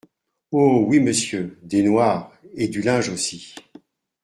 Oh ! oui, monsieur ! des noirs… et du linge aussi !…